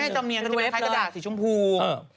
จำเนียนก็จะเป็นคล้ายกระดาษสีชมพู